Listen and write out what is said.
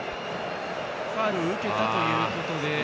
ファウルを受けたということで。